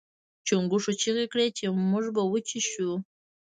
چنګښو چیغې کړې چې موږ به وچې شو.